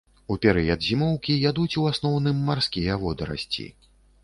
У перыяд зімоўкі ядуць у асноўным марскія водарасці.